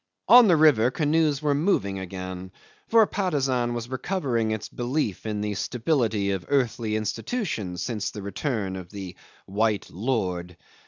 On the river canoes were moving again, for Patusan was recovering its belief in the stability of earthly institutions since the return of the white lord.